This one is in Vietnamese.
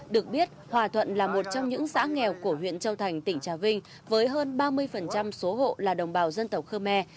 được biết hòa thuận là một trong những xã nghèo của huyện châu thành tỉnh trà vinh với hơn ba mươi số hộ là đồng bào dân tộc khơ me